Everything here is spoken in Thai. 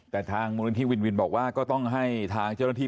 แต่ทางมูลนิธิวินวินบอกว่าก็ต้องให้ทางเจ้าหน้าที่